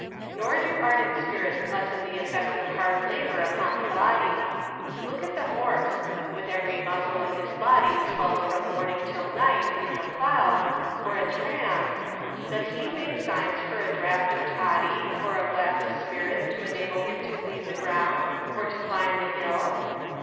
Nor do ardent spirits lessen the effects iof hard la bour upon the body. Look at the horse :; with every muscle of his body swelled from morning till j^ght in the plough, or a team, does he make signs for aWaught of toddy, or a glass of spirits, to enable him to cleave the ground, or to climb a hill